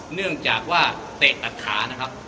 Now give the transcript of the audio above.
เนื่องจากว่าเตะตัดขานะครับ